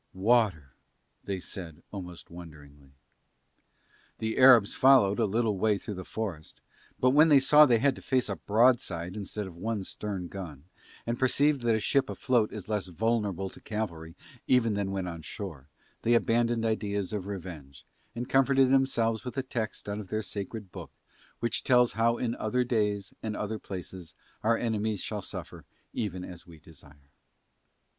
"Water," they said almost wonderingly. The Arabs followed a little way through the forest but when they saw that they had to face a broadside instead of one stern gun and perceived that a ship afloat is less vulnerable to cavalry even than when on shore, they abandoned ideas of revenge, and comforted themselves with a text out of their sacred book which tells how in other days and other places our enemies shall suffer even as we desire.